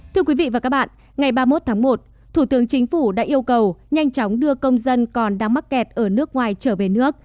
thưa quý vị và các bạn ngày ba mươi một tháng một thủ tướng chính phủ đã yêu cầu nhanh chóng đưa công dân còn đang mắc kẹt ở nước ngoài trở về nước